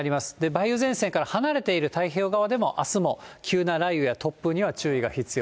梅雨前線から離れている太平洋側でも、あすも急な雷雨や突風には注意が必要。